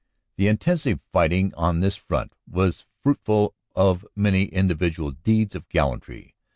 The intensive fighting on this front was fruitful of many individual deeds of gallantry.